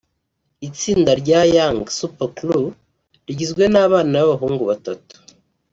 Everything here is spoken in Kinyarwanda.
Itsinda rya Young Super Crew rigizwe n’abana b’abahungu batatu